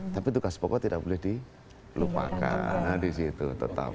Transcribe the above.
tapi tugas pokoknya tidak boleh dilupakan di situ tetap